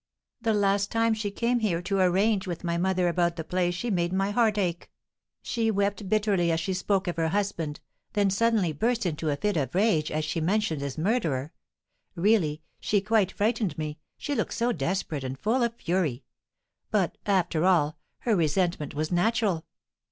The last time she came here to arrange with my mother about the place she made my heart ache. She wept bitterly as she spoke of her husband; then suddenly burst into a fit of rage as she mentioned his murderer. Really, she quite frightened me, she looked so desperate and full of fury. But, after all, her resentment was natural.